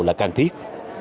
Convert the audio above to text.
là cần thiết